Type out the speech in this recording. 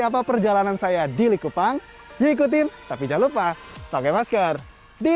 apa perjalanan saya di likupang diikutin tapi jangan lupa subscribe channel ini untuk dapat info terbaru dari kami